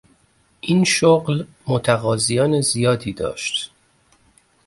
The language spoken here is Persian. این شغل متقاضیان زیادی داشت.